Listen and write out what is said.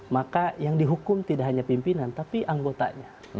maka yang dihukum tidak hanya pimpinan tapi anggotanya